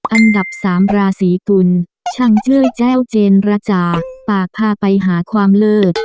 อันดับสามราศีกุลช่างเจื้อแจ้วเจนระจาปากพาไปหาความเลิศ